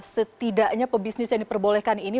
setidaknya pebisnis yang diperbolehkan ini